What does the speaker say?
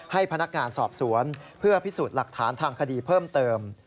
ให้พนักงานสอบสวนเพื่อพิสูจน์หลักฐานทางคดีเพิ่มเติม